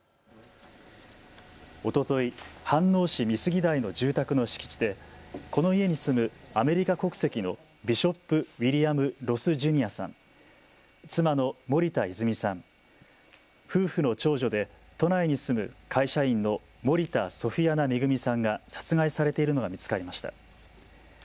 おととい飯能市美杉台の住宅の敷地でこの家に住むアメリカ国籍のビショップ・ウィリアム・ロス・ジュニアさん、妻の森田泉さん、夫婦の長女で都内に住む会社員の森田ソフィアナ恵さんが殺害されているのが見つかりました。